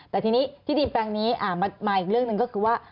แต่ทีนี้ที่ดินแปลงนี้มาอีกเรื่องหนึ่งก็คือว่า